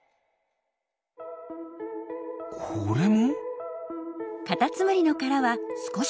これも？